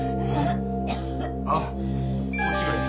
ああこっちがいい。